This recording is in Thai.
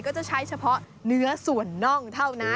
ก็จะใช้เฉพาะเนื้อส่วนน่องเท่านั้น